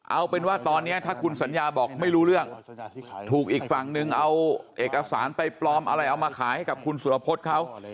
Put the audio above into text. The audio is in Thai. เอาเป็นว่าตอนนี้ถ้าคุณสัญญาบอกไม่รู้เรื่องถูกอีกฝั่งนึงเอาเอกสารไปปลอมอะไรเอามาขายให้กับคุณสุรพฤษเขา